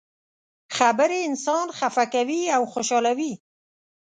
خبرې انسان خفه کوي او خوشحالوي.